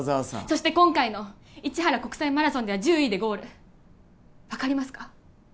そして今回の市原国際マラソンでは１０位でゴール分かりますか？